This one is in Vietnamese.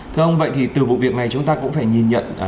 thưa ông vậy thì từ vụ việc này chúng ta cũng phải nhìn nhận